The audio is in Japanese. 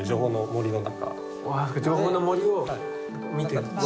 わあ情報の森を見てる。